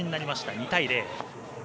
２対０。